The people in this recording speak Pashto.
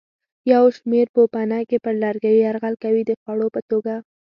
یو شمېر پوپنکي پر لرګیو یرغل کوي د خوړو په توګه.